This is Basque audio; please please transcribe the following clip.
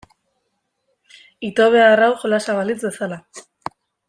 Ito behar hau jolasa balitz bezala.